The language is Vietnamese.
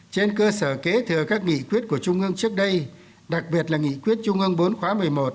trên cơ sở kế thừa các nghị quyết của chung ưng trước đây đặc biệt là nghị quyết chung ưng bốn khóa một mươi một